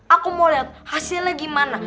aku mau lihat hasilnya gimana